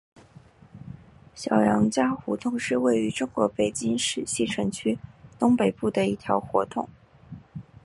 小杨家胡同是位于中国北京市西城区东北部的一条胡同。